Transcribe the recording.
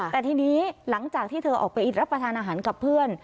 แต่ทีนี้หลังจากที่เธอออกไปรับประทานอาหารกับเพื่อน